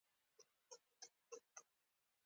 هغه چا ته د ترخې کیسې ځواب نه ورکوي